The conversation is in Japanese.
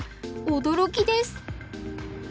驚きです！